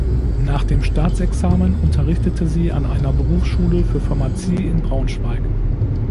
Nach dem Staatsexamen unterrichtete sie an einer Berufsschule für Pharmazie in Braunschweig.